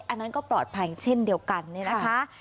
อันนั้นก็ปลอดภัยเช่นเดียวกันเนี่ยนะคะ